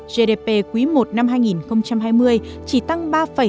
gdp quý i năm hai nghìn hai mươi chỉ tăng ba tám mươi hai